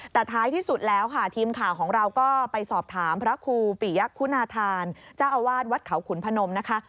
แต่ท้ายที่สุดแล้วค่ะทีมข่าวของเราก็ไปสอบถามพระครูปิยะคุณาธานเจ้าอาวาสวัดเขาขุนพนมนะคะ